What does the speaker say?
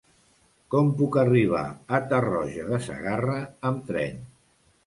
Com puc arribar a Tarroja de Segarra amb tren?